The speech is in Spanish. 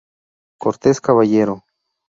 Cortes caballero